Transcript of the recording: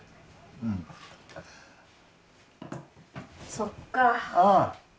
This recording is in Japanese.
そっかあ。